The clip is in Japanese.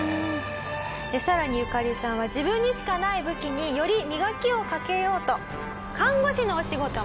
さらにユカリさんは自分にしかない武器により磨きをかけようと。